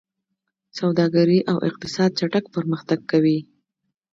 سوداګري او اقتصاد چټک پرمختګ کوي.